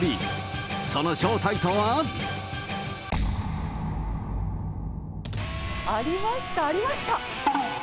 その正体とは？ありました、ありました。